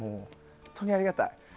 本当にありがたい。